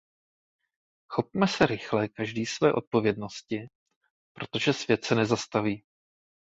Chopme se rychle každý své odpovědnosti, protože svět se nezastaví.